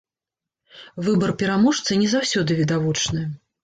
Выбар пераможцы не заўсёды відавочны.